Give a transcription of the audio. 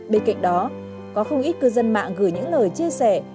bên cạnh đó có không ít cư dân mạng gửi những lời chia sẻ